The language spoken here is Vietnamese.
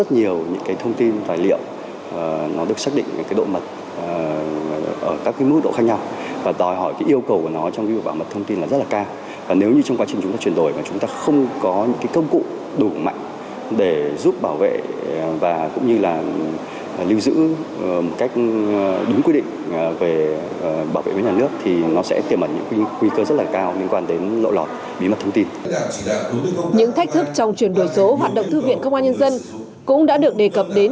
những thách thức trong chuyển đổi số hoạt động thư viện công an nhân dân cũng đã được đề cập đến